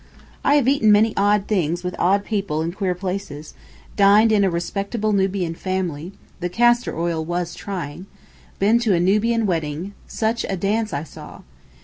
I have eaten many odd things with odd people in queer places, dined in a respectable Nubian family (the castor oil was trying), been to a Nubian wedding—such a dance I saw.